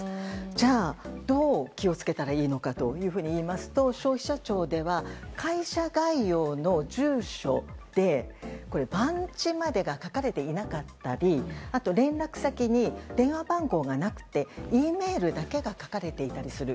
じゃあ、どう気を付けたらいいのかといいますと消費者庁では会社概要の住所で番地までが書かれていなかったり連絡先に電話番号がなくてＥメールだけが書かれていたりする。